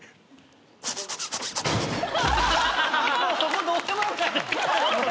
もうそこどうでもよくなっちゃった。